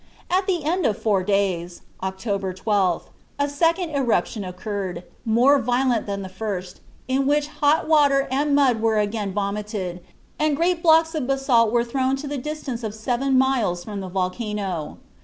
At the end of four days (October 12th), a second eruption occurred, more violent than the first, in which hot water and mud were again vomited, and great blocks of basalt were thrown to the distance of seven miles from the volcano.